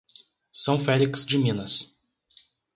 São Félix de Minas